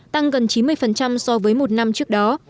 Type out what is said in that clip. tăng gần chín mươi so với một năm trước đó